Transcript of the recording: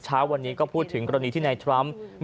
เช้าวันนี้ก็พูดถึงกรณีที่นายทรัมป์